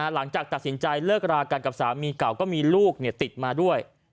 หลังจากตัดสินใจเลิกรากันกับสามีเก่าก็มีลูกติดมาด้วย